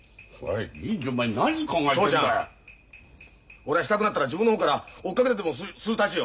俺はしたくなったら自分の方から追っかけてってもするタチよ。